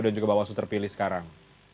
dan juga bawah suhu terpilih sekarang